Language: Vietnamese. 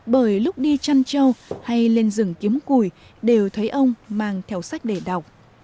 bởi lúc đi trăn châu hay lên rừng kiếm cùi đều thấy ông mang theo sách để đọc